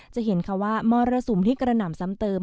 จะเห็นค่ะว่ามรสุมที่กระหน่ำซ้ำเติม